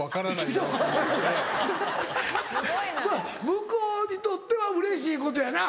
向こうにとってはうれしいことやな。